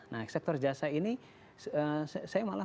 nah sektor jasa ini saya malah melihatnya sangat sangat terangkan